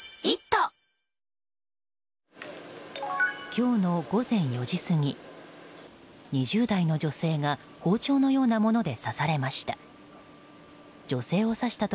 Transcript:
今日の午前４時過ぎ２０代の女性が包丁のようなもので刺されました。